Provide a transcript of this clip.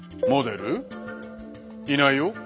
いないよ。